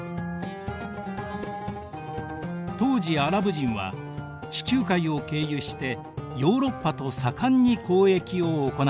当時アラブ人は地中海を経由してヨーロッパと盛んに交易を行っていました。